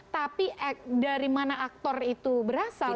tapi dari mana aktor itu berasal